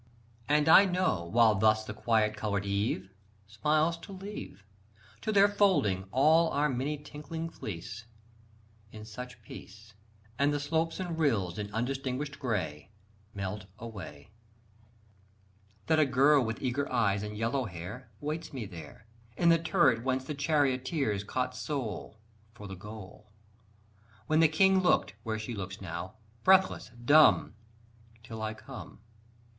And I know, while thus the quiet coloured eve Smiles to leave To their folding, all our many tinkling fleece In such peace, And the slopes and rills in undistinguished grey Melt away That a girl with eager eyes and yellow hair Waits me there In the turret whence the charioteers caught soul For the goal, When the king looked, where she looks now, breathless, dumb Till I come.